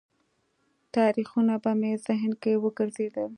تاریخونه به مې ذهن کې وګرځېدل.